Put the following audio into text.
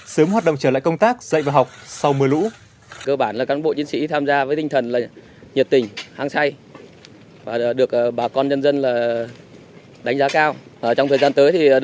sớm hoạt động trở lại công tác dạy và học sau mưa lũ